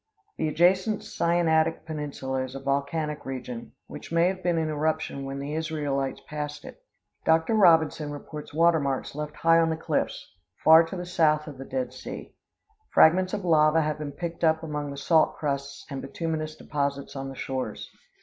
The adjacent Sinaitic peninsula is a volcanic region, which may have been in eruption when the Israelites passed it. Dr. Robinson reports water marks left high on the cliffs, far to the south of the Dead Sea. Fragments of lava have been picked up among the salt crusts and bituminous deposits on the shores.